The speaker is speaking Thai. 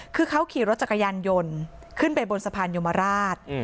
คือเขาขี่รถจักรยานยนต์ขึ้นไปบนสะพานยมราช